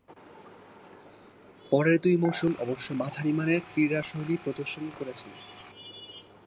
পরের দুই মৌসুম অবশ্য মাঝারিমানের ক্রীড়াশৈলী প্রদর্শন করেছেন।